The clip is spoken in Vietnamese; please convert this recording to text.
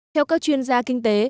theo các chuyên gia kinh tế